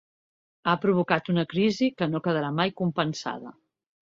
Ha provocat una crisi que no quedarà mai compensada.